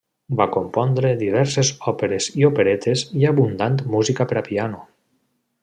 Va compondre diverses òperes i operetes i abundant música per a piano.